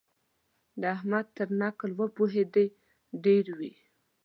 د احمد تر نکل وپوهېدې ډېر وي.